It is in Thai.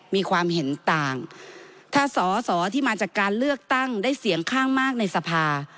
มีความเห็นต่างถ้าสอสอที่มาจากการเลือกตั้งได้เสียงข้างมากในสภา